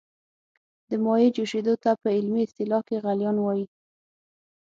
د مایع جوشیدو ته په علمي اصطلاح کې غلیان وايي.